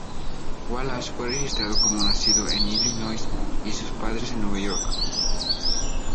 Wallace fue registrado como nacido en Illinois y sus padres en Nueva York.